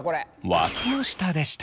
わきの下でした。